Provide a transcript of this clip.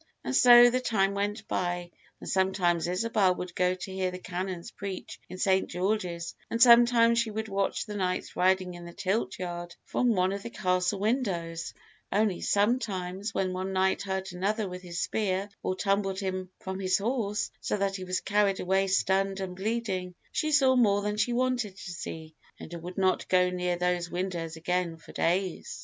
And so the time went by, and sometimes Isabel would go to hear the canons preach in St. George's, and sometimes she would watch the knights riding in the tilt yard from one of the Castle windows; only sometimes, when one knight hurt another with his spear or tumbled him from his horse, so that he was carried away stunned and bleeding, she saw more than she wanted to see, and would not go near those windows again for days.